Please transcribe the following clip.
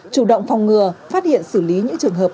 chủ động phòng ngừa phát hiện xử lý những trường hợp